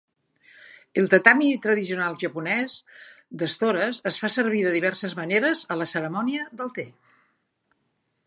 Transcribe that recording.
El tatami tradicional japonès d'estores es fa servir de diverses maneres a la cerimònia del té.